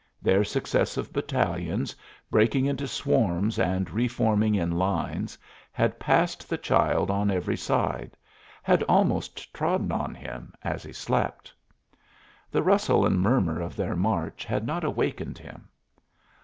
Their successive battalions, breaking into swarms and re forming in lines, had passed the child on every side had almost trodden on him as he slept. The rustle and murmur of their march had not awakened him.